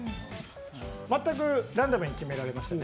全くランダムに決められましたね。